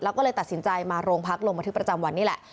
แล้วก็เลยตัดสินใจมาโรงพักลงบันทึกประจำวันนี่แหละ